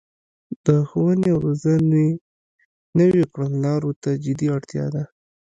د ښوونې او روزنې نويو کړنلارو ته جدي اړتیا ده